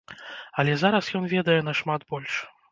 Але зараз ён ведае нашмат больш.